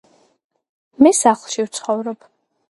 მე სახლში ვცხოვრობ